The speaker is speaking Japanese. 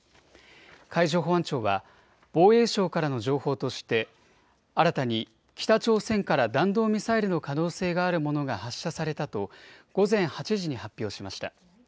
海上保安庁は防衛省からの情報として新たに北朝鮮から弾道ミサイルの可能性があるものが発射されたと午前８時に発表しました。